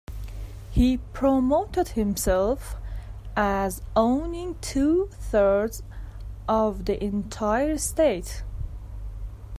He promoted himself as owning two-thirds of the entire state.